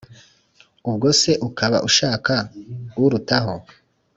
Ubwose ukaba ushaka urutaho,